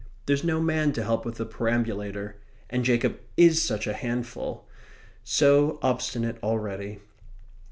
There's no man to help with the perambulator. And Jacob is such a handful; so obstinate already.